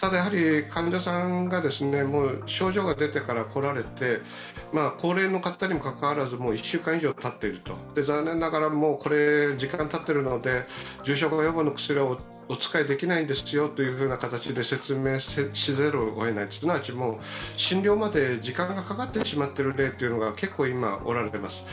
ただ、患者さんが症状が出てから来られて、高齢の方にもかかわらず１週間以上たってると残念ながら、時間がたってるので重症化予防の薬をお使いできませんよという形で説明せざるをえない、すなわち診療まで時間がかかってしまっている例というのが結構、今おられてます。